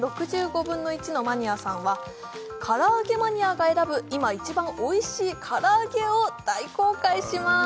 １／３６５のマニアさん」は唐揚げマニアが選ぶ今一番おいしい唐揚げを大公開します